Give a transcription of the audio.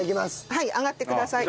はい上がってください。